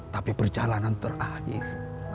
tapi perjalanan terakhir